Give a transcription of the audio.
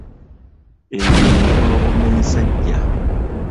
Eyo y'empologoma ensajja.